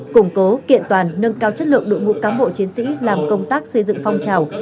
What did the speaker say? củng cố kiện toàn nâng cao chất lượng đội ngũ cán bộ chiến sĩ làm công tác xây dựng phong trào